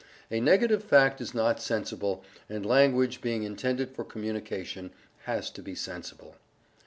A negative fact is not sensible, and language, being intended for communication, has to be sensible.